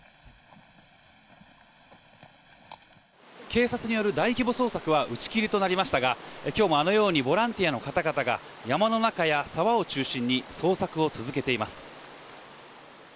警察による大規模捜索は打ち切りとなりましたが、きょうもあのようにボランティアの方々が、山の中や沢を中心に捜索を続けています。